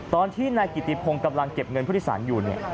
ตอนที่นายกิติพงกำลังเก็บเงินพฤษศาลอยู่